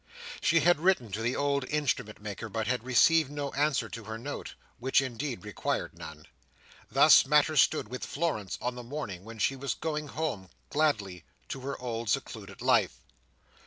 She had written to the old Instrument maker, but had received no answer to her note: which indeed required none. Thus matters stood with Florence on the morning when she was going home, gladly, to her old secluded life.